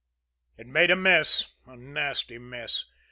It made a mess a nasty mess.